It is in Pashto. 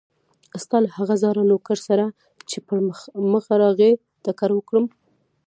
ستا له هغه زاړه نوکر سره چې پر مخه راغی ټکر وکړم.